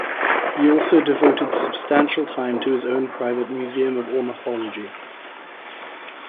He also devoted substantial time to his own private museum of ornithology.